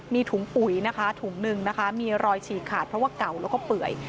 มีถุงปุ๋ยนะคะถุงหนึ่งนะคะมีรอยฉีกขาดเพราะว่าเก่าแล้วก็เปื่อย